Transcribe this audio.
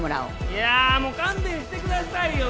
いやもう勘弁してくださいよ！